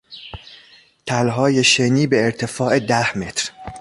تلهای شنی به ارتفاع ده متر